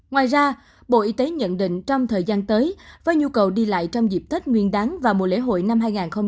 ngoài ra bộ y tế nhận định trong thời gian tới với nhu cầu đi lại trong dịp tết nguyên đáng và mùa lễ hội năm hai nghìn hai mươi bốn